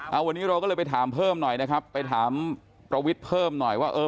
เอาวันนี้เราก็เลยไปถามเพิ่มหน่อยนะครับไปถามประวิทย์เพิ่มหน่อยว่าเออ